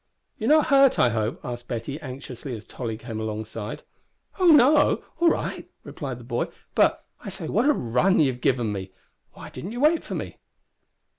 "You're not hurt, I hope?" said Betty, anxiously, as Tolly came alongside. "Oh no. All right," replied the boy; "but I say what a run you have given me! Why didn't you wait for me?"